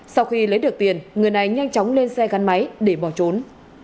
sau khi lấy được tiền người này nhanh chóng lên xe gắn máy để bỏ trốn